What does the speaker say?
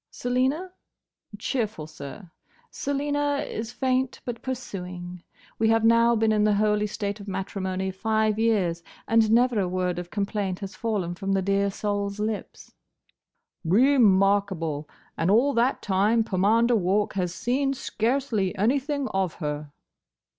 "Selina? Cheerful, sir. Selina is faint but pursuing. We have now been in the holy state of matrimony five years, and never a word of complaint has fallen from the dear soul's lips." "Re markable! And all that time Pomander Walk has seen scarcely anything of her."